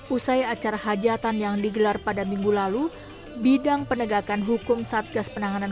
usai acara hajatan yang digelar pada minggu lalu bidang penegakan hukum satgas penanganan